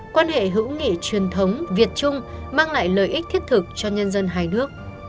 quan hệ hữu nghị truyền thống việt trung mang lại lợi ích thiết thực cho nhân dân hai nước